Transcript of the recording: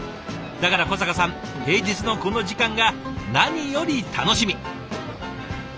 だから小坂さん平日のこの時間が何より楽しみ。